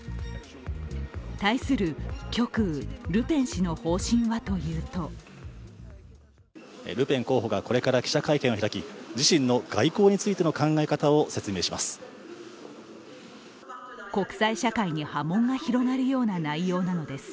対する極右・ルペン氏の方針はというとルペン候補がこれから記者会見を開き自身の外交についての考え方を説明します。